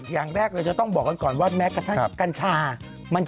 อย่างแรกเราจะต้องบอกก่อนว่า